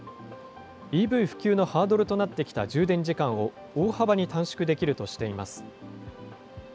ＥＶ普及のハードルとなってきた充電時間を大幅に短縮できるとしています。